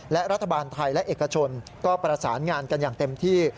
และรัฐบาลไทยและเอกชนก็ประสานงานกันอย่างเต็มที่